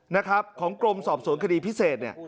นะครับของกรมสอบสวนคดีพิเศษเนี่ย